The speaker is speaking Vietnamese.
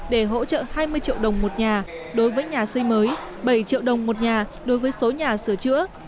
để hỗ trợ hai mươi triệu đồng một nhà đối với nhà xây mới bảy triệu đồng một nhà đối với số nhà sửa chữa